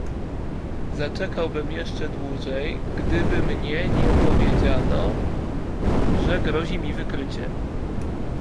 "Zaczekałbym jeszcze dłużej, gdyby mnie nie powiedziano, że grozi mi wykrycie."